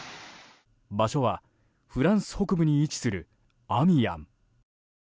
場所はフランス北部に位置するアミアン。